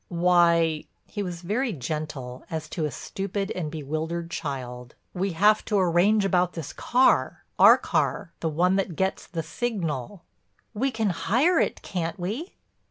"Why—" he was very gentle as to a stupid and bewildered child—"we have to arrange about this car—our car, the one that gets the signal." "We can hire it, can't we?"